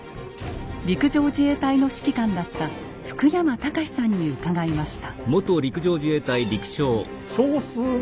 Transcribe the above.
陸上自衛隊の指揮官だった福山隆さんに伺いました。